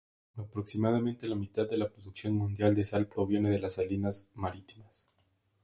Aproximadamente la mitad de la producción mundial de sal proviene de las salinas marítimas.